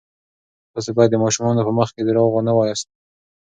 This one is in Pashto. تاسې باید د ماشومانو په مخ کې درواغ ونه وایاست.